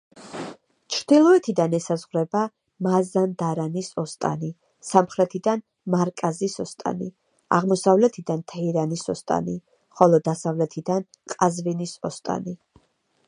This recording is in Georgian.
ჩრდილოეთიდან ესაზღვრება მაზანდარანის ოსტანი, სამხრეთიდან მარკაზის ოსტანი, აღმოსავლეთიდან თეირანის ოსტანი, ხოლო დასავლეთიდან ყაზვინის ოსტანი.